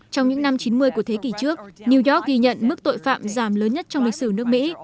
trong những năm chín mươi của thế kỷ trước new york ghi nhận mức tội phạm giảm lớn nhất trong lịch sử nước mỹ